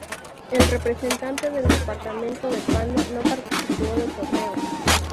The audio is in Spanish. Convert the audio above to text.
El representante del departamento de Pando no participó del torneo.